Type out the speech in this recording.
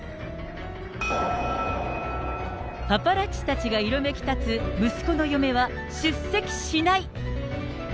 パパラッチたちが色めき立つ息子の嫁は出席しない。